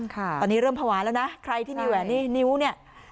ตอนนี้เริ่มภาวะแล้วนะใครที่มีแหวนนี่นิ้วเนี่ย